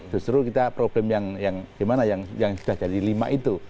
justru kita problem yang sudah jadi lima itu